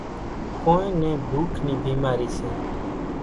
ڪونئين نين ڀوُک نِي ڀِيمارِي سي۔